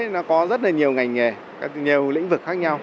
nó có rất là nhiều ngành nghề nhiều lĩnh vực khác nhau